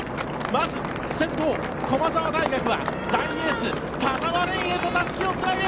まず先頭、駒澤大学は大エース、田澤廉へとたすきをつなぐ！